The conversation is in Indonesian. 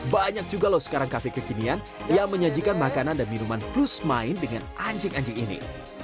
banyak juga loh sekarang cafe kekinian yang menyajikan makanan dan minuman plus main dengan anjing anjing ini